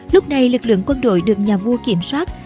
lúc này lực lượng quân đội được nhà vua kiểm soát